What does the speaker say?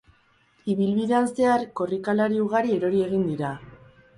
Ibilbidean zehar korrikalari ugari erori egin dira.